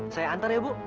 saya antar ya bu